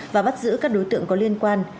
và bắt giữ các đối tượng có liên quan